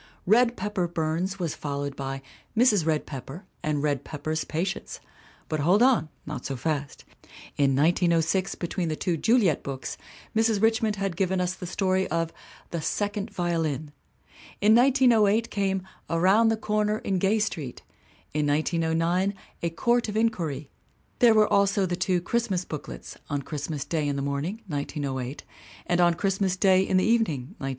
Red Pepper Burns was followed by Mrs. Red Pepper and Red Pepper's Patients. But hold on not so fast. In 1906, between the two Juliet books, Mrs. Richmond had given us the story of The Second Violin. In 1908 came Around the Corner in Gay Street, in 1909 A Court of Inquiry; there were also the' two Christmas booklets On Christmas Day in the Morning (1908) and On Christmas Day in the Evening (1910).